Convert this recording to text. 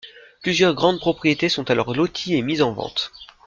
Plusieurs grandes propriétés sont alors loties et mises en vente.